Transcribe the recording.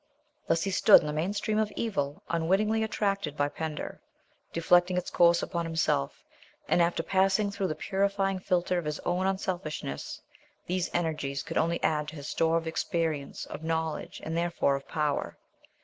Thus he stood in the main stream of evil unwittingly attracted by Pender, deflecting its course upon himself; and after passing through the purifying filter of his own unselfishness these energies could only add to his store of experience, of knowledge, and therefore of power.